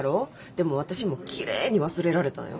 でも私もきれいに忘れられたんよ。